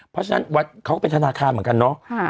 เพราะฉะนั้นวัดเขาก็เป็นธนาคารเหมือนกันเนาะ